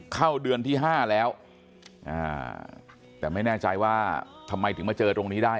เข้าเดือนที่๕แล้วแต่ไม่แน่ใจว่าทำไมถึงมาเจอตรงนี้ได้